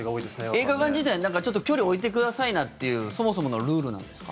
映画館自体ちょっと距離置いてくださいなんていうそもそものルールなんですか？